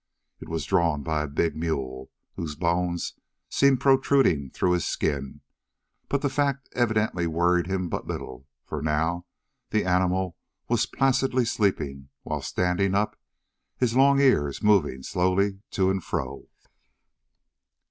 It was drawn by a big mule, whose bones seemed protruding through his skin, but that fact evidently worried him but little, for now the animal was placidly sleeping, while standing up, his long ears moving slowly to and fro.